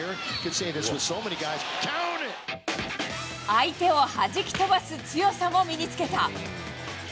相手をはじき飛ばす強さも身につけた。